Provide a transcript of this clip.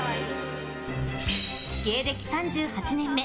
芸歴３８年目。